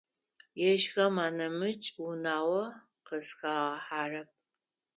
Ежьхэм анэмыкӏ унагъо къызхагъахьэрэп.